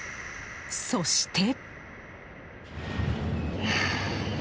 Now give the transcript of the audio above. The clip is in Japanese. そして。